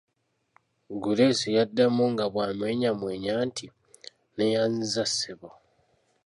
Guleesi yaddamu nga bw'amwenyamwenya nti: "neeyanziza ssebo"